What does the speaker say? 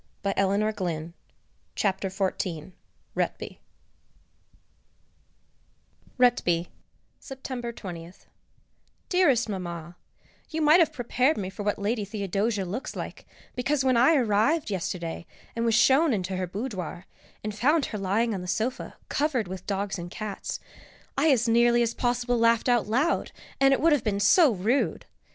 RETBY Retby, September 20th. [Sidenote: Lady Theodosia's Pets] Dearest Mamma, You might have prepared me for what Lady Theodosia looks like, because when I arrived yesterday and was shown into her boudoir, and found her lying on the sofa, covered with dogs and cats, I as nearly as possible laughed out loud, and it would have been so rude.